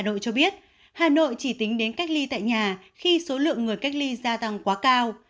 hà nội cho biết hà nội chỉ tính đến cách ly tại nhà khi số lượng người cách ly gia tăng quá cao